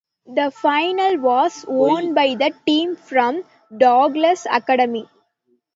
The final was won by the team from Douglas Academy.